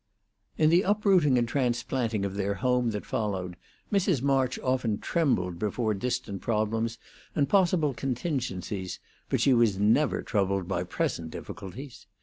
In the uprooting and transplanting of their home that followed, Mrs. March often trembled before distant problems and possible contingencies, but she was never troubled by present difficulties.